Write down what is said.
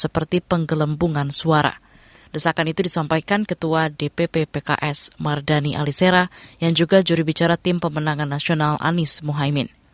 pertama kali kita berkahwin